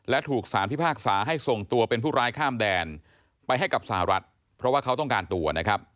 และถูกสารพิพากษาให้ส่งตัวเป็นผู้ร้ายข้ามแดนไปให้กับสหรัฐเพราะว่าเขาต้องการตัวนะครับ